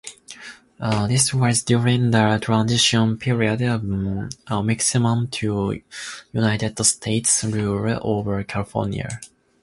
This was during the transition period of Mexican to United States rule over California.